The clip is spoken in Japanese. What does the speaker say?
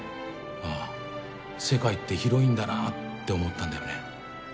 ああ世界って広いんだなあって思ったんだよね。